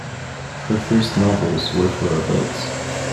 Her first novels were for adults.